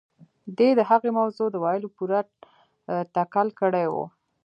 دې د هغې موضوع د ويلو پوره تکل کړی و.